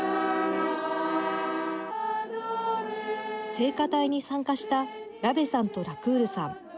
聖歌隊に参加したラベさんとラクールさん。